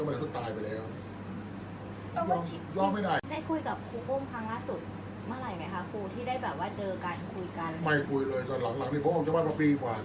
อันไหนที่มันไม่จริงแล้วอาจารย์อยากพูด